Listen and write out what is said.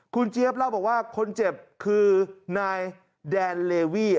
คุณเจี๊ยบเล่าบอกว่าคนเจ็บคือนายแดนเลวี่